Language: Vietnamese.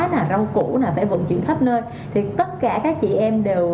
có những ngày mà gọi là khung vác gạo cá rau củ phải vận chuyển khắp nơi thì tất cả các chị em đều